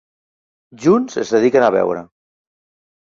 Junts es dediquen a beure.